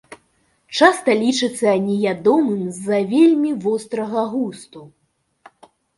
Часта лічыцца неядомым з-за вельмі вострага густу.